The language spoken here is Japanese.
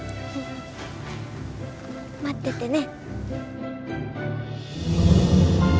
待っててね。